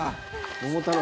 「桃太郎」